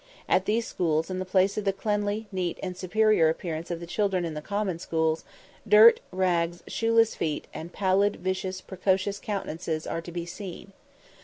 At these schools, in place of the cleanly, neat, and superior appearance of the children in the common schools, dirt, rags, shoeless feet, and pallid, vicious, precocious countenances are to be seen.